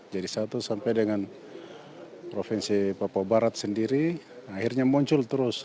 jadi satu sampai dengan provinsi papua barat sendiri akhirnya muncul terus